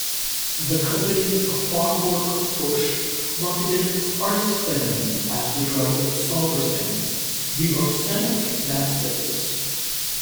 The company Farbwerke Hoechst marketed arsphenamine as the drug Salvarsan, "the arsenic that saves".